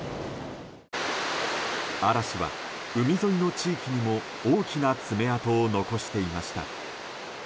嵐は海沿いの地域にも大きな爪痕を残していました。